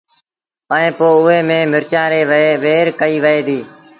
ائيٚݩ پو اُئي ميݩ مرچآݩ ريٚ وهير ڪئيٚ وهي ديٚ